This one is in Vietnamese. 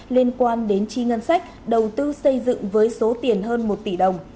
liên quan đến chi ngân sách đầu tư xây dựng với số tiền hơn một tỷ đồng